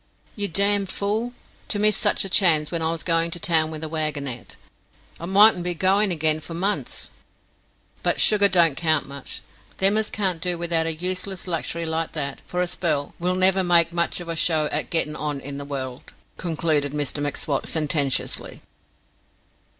"You damned fool, to miss such a chance wen I was goin' to town with the wagonette! I mightn't be groin' in again for munce [months]. But sugar don't count much. Them as can't do without a useless luxury like that for a spell will never make much of a show at gettin' on in the wu r r r 1d," concluded Mr M'Swat, sententiously.